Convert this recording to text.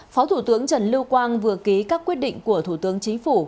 phó thủ tướng trần lưu quang vừa ký các quyết định của thủ tướng chính phủ